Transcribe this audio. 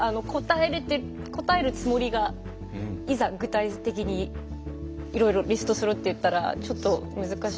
答えるつもりがいざ具体的にいろいろリストするって言ったらちょっと難しいから。